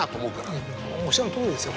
おっしゃるとおりです